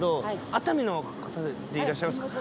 熱海の方でいらっしゃいますか？